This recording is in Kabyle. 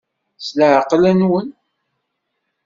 S leɛqel-nwen.